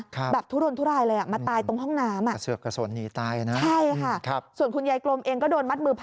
ความว่าเขาจะไปร่วมราชุม